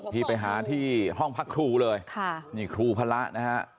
ที่ไปหาที่ห้องพักครูเลยครูพระนะครับ